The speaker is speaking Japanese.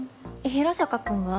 平坂君は？